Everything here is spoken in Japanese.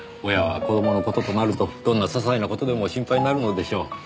親は子供の事となるとどんな些細な事でも心配になるのでしょう。